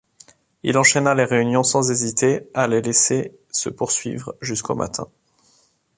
Il enchaîna les réunions sans hésiter à les laisser se poursuivre jusqu’au matin.